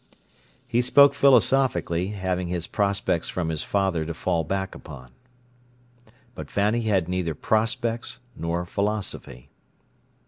He spoke philosophically, having his "prospects" from his father to fall back upon; but Fanny had neither "prospects" nor philosophy.